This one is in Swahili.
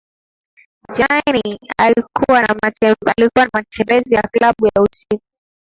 Jeannie alikuwa na matembezi ya klabu ya usiku